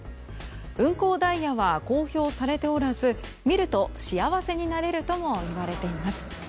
運行ダイヤは公表されておらず見ると幸せになれるともいわれています。